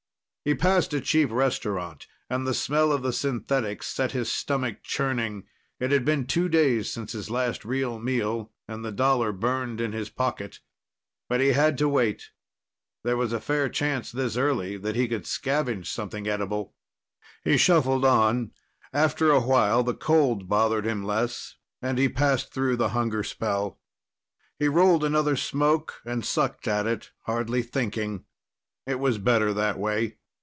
He passed a cheap restaurant, and the smell of the synthetics set his stomach churning. It had been two days since his last real meal, and the dollar burned in his pocket. But he had to wait. There was a fair chance this early that he could scavenge something edible. He shuffled on. After a while, the cold bothered him less, and he passed through the hunger spell. He rolled another smoke and sucked at it, hardly thinking. It was better that way.